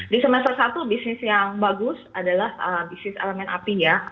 di semester satu bisnis yang bagus adalah bisnis elemen api ya